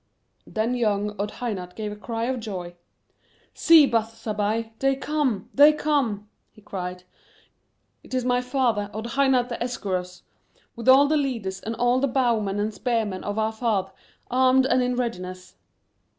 Then young Odhainat gave a cry of joy. "See, Bath Zabbai; they come, they come"! he cried. "It is my father, Odhainat the esarkos,(1) with all the leaders and all the bowmen and spearmen of our fahdh armed and in readiness.